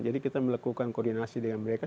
jadi kita melakukan koordinasi dengan mereka